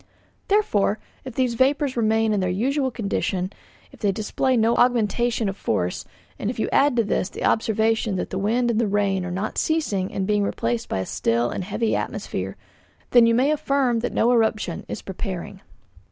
Therefore, if these vapours remain in their usual condition, if they display no augmentation of force, and if you add to this the observation that the wind and rain are not ceasing and being replaced by a still and heavy atmosphere, then you may affirm that no eruption is preparing."